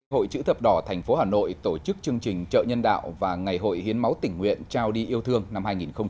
hội chữ thập đỏ tp hà nội tổ chức chương trình trợ nhân đạo và ngày hội hiến máu tỉnh nguyện trao đi yêu thương năm hai nghìn hai mươi